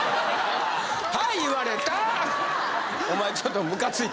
はい言われた！